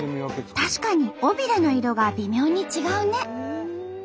確かに尾びれの色が微妙に違うね。